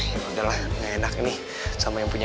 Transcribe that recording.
ya udahlah gak enak ini sama yang punya